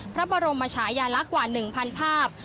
พระบรมมาฉายาลักกว่า๑๐๐๐ภาพ